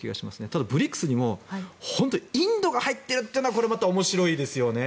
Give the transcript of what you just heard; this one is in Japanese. ただＢＲＩＣＳにも本当にインドが入っているというのはこれまた面白いですよね。